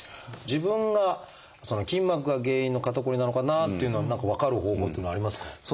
自分が筋膜が原因の肩こりなのかなっていうのは何か分かる方法っていうのはありますか？